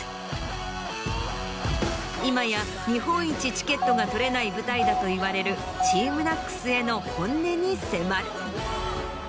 今や「日本一チケットが取れない舞台」だといわれるＴＥＡＭＮＡＣＳへの本音に迫る。